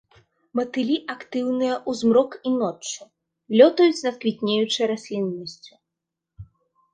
Матылі актыўныя ў змрок і ноччу, лётаюць над квітнеючай расліннасцю.